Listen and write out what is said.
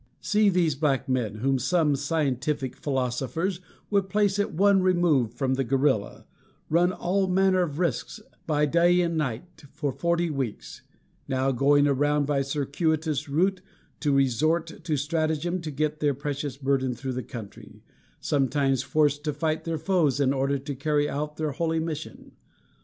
See these black men, whom some scientific philosophers would place at one remove from the gorilla, run all manner of risks, by day and night, for forty weeks; now going around by circuitous route to resort to strategem to get their precious burden through the country; sometimes forced to fight their foes in order to carry out their holy mission.